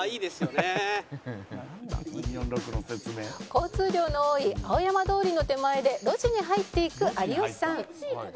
交通量の多い青山通りの手前で路地に入っていく有吉さん